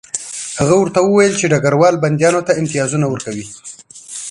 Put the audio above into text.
هغه ورته وویل چې ډګروال بندیانو ته امتیازونه ورکوي